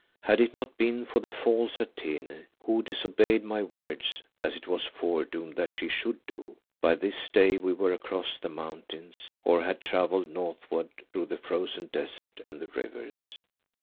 Had it not been for the false Atene, who disobeyed my words, as it was foredoomed that she should do, by this day we were across the mountains, or had travelled northward through the frozen desert and the rivers.